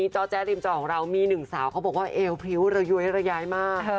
จอแจ๊ริมจอของเรามีหนึ่งสาวเขาบอกว่าเอวพริ้วระย้วยระย้ายมาก